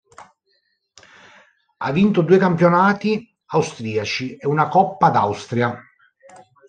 Ha vinto due campionati austriaci e una Coppa d'Austria.